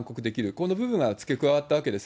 この部分が付け加わったわけです。